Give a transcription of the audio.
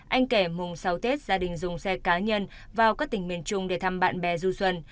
anh kẻ mùng sáu tết gia đình dùng xe cá nhân vào các tỉnh miền trung để thăm bạn bè du xuân